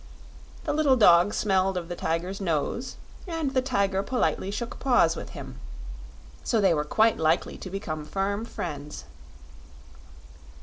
The little dog smelled of the Tiger's nose, and the Tiger politely shook paws with him; so they were quite likely to become firm friends.